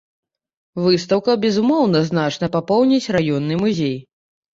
Выстаўка безумоўна значна папоўніць раённы музей.